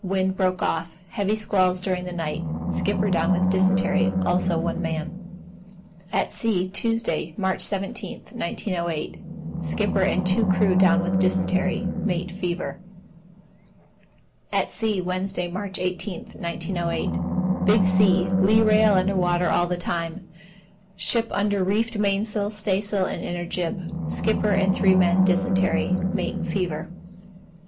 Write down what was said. Wind broke off. Heavy squalls during the night. Skipper down on dysentery, also one man. At sea, Tuesday, March 17, 1908. Skipper and 2 crew down on dysentery. Mate fever. At sea, Wednesday, March 18, 1908. Big sea. Lee rail under water all the time. Ship under reefed mainsail, staysail, and inner jib. Skipper and 3 men dysentery. Mate fever.